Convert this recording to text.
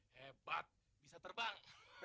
hebat bisa terbang